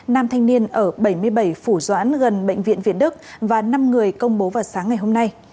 nam thanh niên ở bảy mươi bảy phủ doãn gần bệnh viện việt đức và năm người công bố vào sáng ngày hôm nay